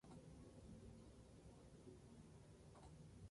Consiste en un complejo de proteínas que contiene yodo y bromo.